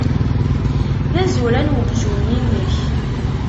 D azuran uqjun-nni-inek.